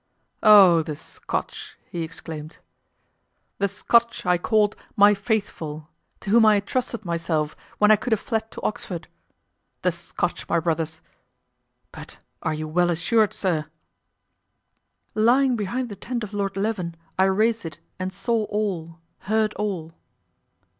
"Oh! the Scotch," he exclaimed, "the Scotch I called 'my faithful,' to whom I trusted myself when I could have fled to Oxford! the Scotch, my brothers! But are you well assured, sir?" "Lying behind the tent of Lord Leven, I raised it and saw all, heard all!"